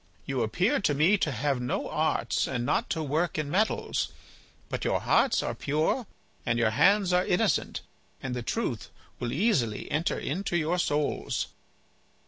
You appear to me to have no arts and not to work in metals. But your hearts are pure and your hands are innocent, and the truth will easily enter into your souls."